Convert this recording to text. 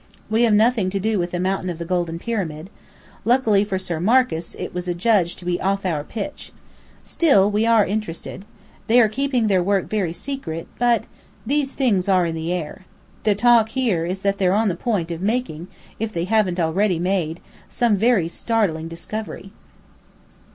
We have nothing to do with the Mountain of the Golden Pyramid. Luckily for Sir Marcus, it was adjudged to be off our 'pitch.' Still, we are interested. They are keeping their work very secret, but these things are in the air. The talk here is that they're on the point of making, if they haven't made already, some very startling discovery."